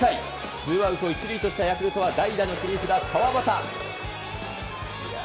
ツーアウト１塁としたヤクルトは代打の切り札、川端。